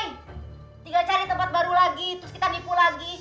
tinggal cari tempat baru lagi terus kita nipu lagi